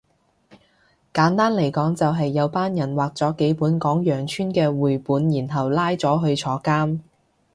簡單嚟講就係有班人畫咗幾本講羊村嘅繪本然後就拉咗去坐監